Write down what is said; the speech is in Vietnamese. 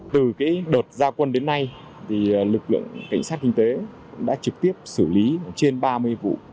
từ đợt gia quân đến nay lực lượng cảnh sát kinh tế đã trực tiếp xử lý trên ba mươi vụ